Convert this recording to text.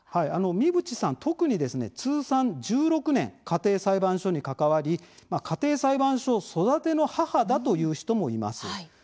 三淵さん、特に通算１６年家庭裁判所に関わり家庭裁判所育ての母だと言う人もいます。